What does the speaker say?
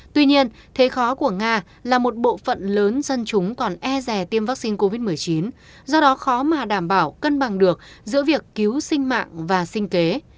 tuy nhiên thế khó của nga là một bộ phận lớn dân chúng còn e rè tiêm vaccine covid một mươi chín do đó khó mà đảm bảo cân bằng được giữa việc cứu sinh mạng và sinh kế